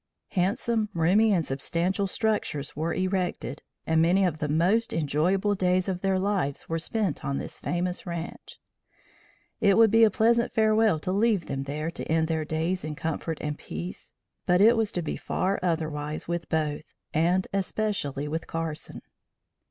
Handsome, roomy and substantial structures were erected, and many of the most enjoyable days of their lives were spent on this famous ranche. It would be a pleasant farewell to leave them there to end their days in comfort and peace, but it was to be far otherwise with both and especially with Carson.